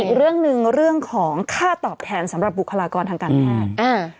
อีกเรื่องหนึ่งเรื่องของค่าตอบแทนสำหรับบุคลากรทางการแพทย์